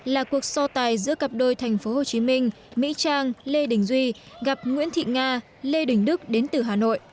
là cuộc so tài giữa cặp đôi tp hcm mỹ trang lê đình duy gặp nguyễn thị nga lê đình đức đến từ hà nội